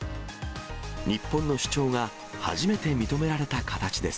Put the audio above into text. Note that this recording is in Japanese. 日本の主張が初めて認められた形です。